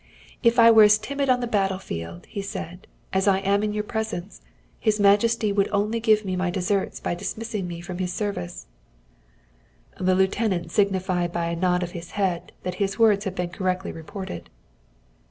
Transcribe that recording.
'If I were as timid on the battle field,' said he, 'as I am in your presence, His Majesty would only give me my deserts by dismissing me from his service.'" The lieutenant signified by a nod of his head that his words had been correctly reported.